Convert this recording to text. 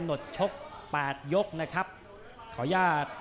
ยังเหลือคู่มวยในรายการ